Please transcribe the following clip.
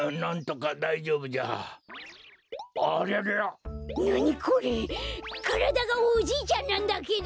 からだがおじいちゃんなんだけど？